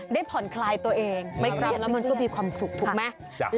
ได้ผ่อนคลายตัวเองไม่เครียดแล้วมันก็มีความสุขถูกไหม